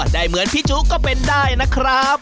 เหมือนพี่จุก็เป็นได้นะครับ